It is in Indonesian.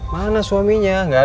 mana suaminya gak ada tuh